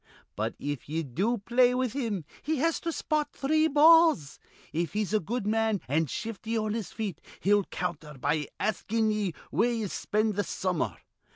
But, if ye do play with him, he has to spot three balls. If he's a good man an' shifty on his feet, he'll counter be askin' ye where ye spend th' summer.